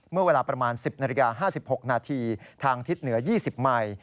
เมื่อเวลาประมาณ๑๐น๕๖นทางทิศเหนือ๒๐ม